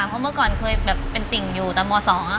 เพราะเมื่อก่อนเคยแบบเป็นติ่งอยู่ตอนม๒